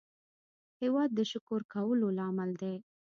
هېواد د شکر کولو لامل دی.